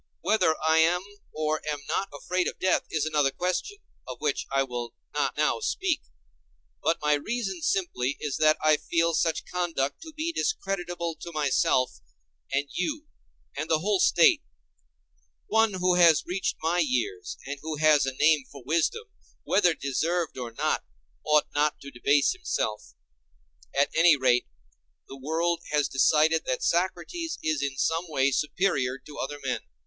Whether I am or am not afraid of death is another question, of which I will not now speak. But my reason simply is that I feel such conduct to be discreditable to myself, and you, and the whole State. One who has reached my years, and who has a name for wisdom, whether deserved or not, ought not to debase himself. At any rate, the world has decided that Socrates is in some way superior to other men.